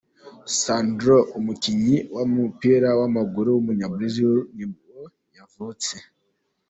Sandro, umukinnyi w’umupira w’amaguru w’umunyabrazil nibwo yavutse.